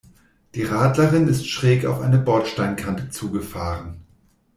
Die Radlerin ist schräg auf eine Bordsteinkante zugefahren.